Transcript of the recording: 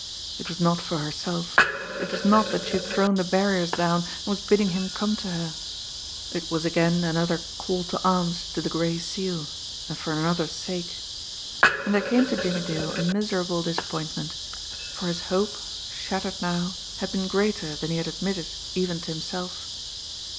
It was not for herself, it was not that she had thrown the barriers down and was bidding him come to her; it was again another "call to arms" to the Gray Seal and for another's sake. And there came to Jimmie Dale a miserable disappointment, for his hope, shattered now, had been greater than he had admitted even to himself.